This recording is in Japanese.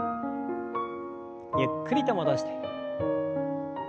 ゆっくりと戻して。